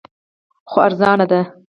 خو ارزانه دی